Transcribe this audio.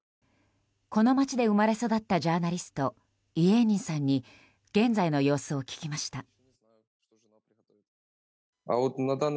この街で生まれ育ったジャーナリストイエーニンさんに現在の様子を聞きました。